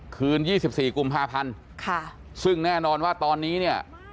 คืน๒๔กุมภาพันธ์ซึ่งแน่นอนว่าตอนนี้เนี่ย